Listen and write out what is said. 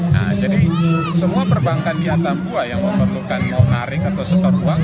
nah jadi semua perbankan di atambua yang memerlukan mau narik atau setor uang